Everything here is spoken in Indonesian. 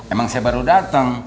emang saya baru dateng